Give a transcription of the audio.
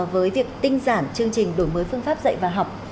với việc tinh giản chương trình đổi mới phương pháp dạy và học